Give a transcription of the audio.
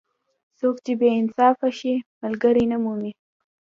څوک چې بې انصافه شي؛ ملګری نه مومي.